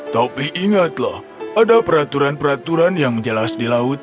tapi ingatlah ada peraturan peraturan yang menjelas di laut